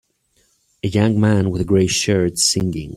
A young man with a gray shirt singing.